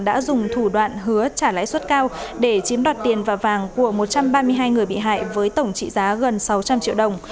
đã dùng thủ đoạn hứa trả lãi suất cao để chiếm đoạt tiền và vàng của một trăm ba mươi hai người bị hại với tổng trị giá gần sáu trăm linh triệu đồng